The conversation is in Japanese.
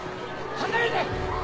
離れて！